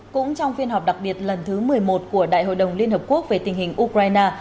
cũng trong phiên họp đặc biệt lần thứ một mươi một của đại hội đồng liên hợp quốc về tình hình ukraine